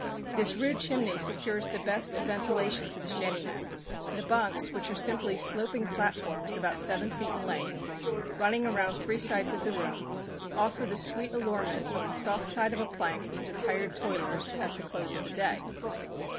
This rude chimney secures the best of ventilation to the shantymen. The bunks, which are simply sloping platforms about seven feet in length, running around three sides of the room, offer the sweet allurement of the soft side of a plank to the tired toilers at the close of the day.